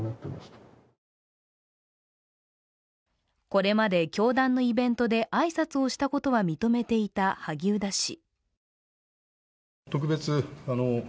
これまで教団のイベントで挨拶をしたことは認めていた萩生田氏。